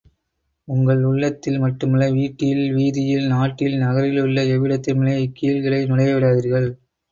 உங்கள் உள்ளத்தில் மட்டுமல்ல, வீட்டில், வீதியில், நாட்டில், நகரில் உள்ள எவ்விடத்திலுமே இக் கீழ்களை நுழையவிடாதீர்கள்.